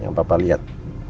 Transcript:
yang bapak lihat